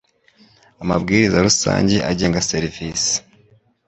Amabwiriza rusange agenga serivisi